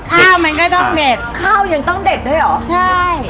ข้าวมันก็ต้องเด็ดข้าวยังต้องเด็ดด้วยเหรอใช่